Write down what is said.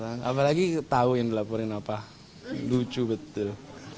enggak lah apalagi tauin laporin apa lucu betul